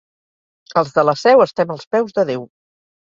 Els de la Seu estem als peus de Déu.